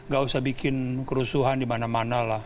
gak usah bikin kerusuhan di mana mana lah